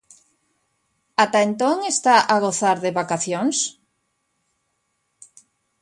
Ata entón está a gozar de vacacións?